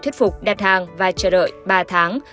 thuyết phục đặt hàng và chờ đợi ba tháng